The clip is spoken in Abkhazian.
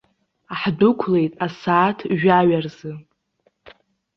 Ҳдәықәлеит асааҭ жәаҩа рзы.